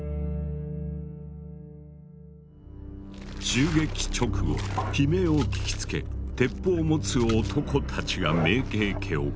襲撃直後悲鳴を聞きつけ鉄砲を持つ男たちが明景家を囲んだ。